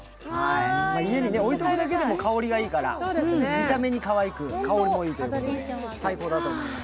家に置いておくだけでも香りがいいから見た目にかわいく、香りもいいっていうのは最高だと思います。